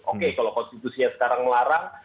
oke kalau konstitusinya sekarang melarang